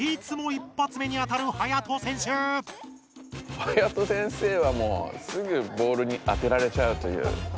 はやと先生はもうすぐボールに当てられちゃうという。